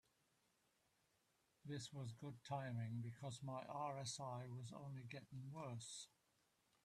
This was good timing, because my RSI was only getting worse.